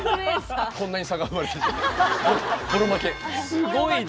すごいな。